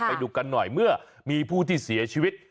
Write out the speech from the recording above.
ไปดูกันหน่อยเมื่อมีผู้ที่เสียชีวิต